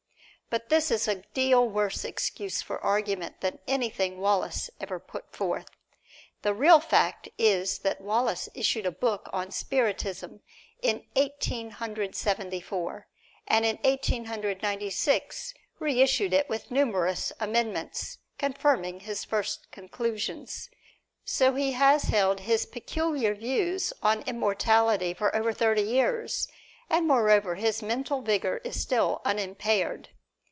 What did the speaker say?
But this is a deal worse excuse for argument than anything Wallace ever put forth. The real fact is that Wallace issued a book on Spiritism in Eighteen Hundred Seventy four, and in Eighteen Hundred Ninety six reissued it with numerous amendments, confirming his first conclusions. So he has held his peculiar views on immortality for over thirty years, and moreover his mental vigor is still unimpaired.